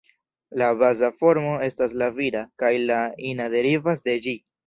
La baza formo estas la vira, kaj la ina derivas de ĝi.